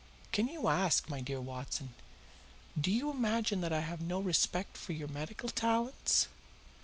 "Can you ask, my dear Watson? Do you imagine that I have no respect for your medical talents?